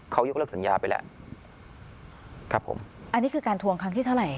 เขายกเลิกสัญญาไปแล้วครับผมอันนี้คือการทวงครั้งที่เท่าไหร่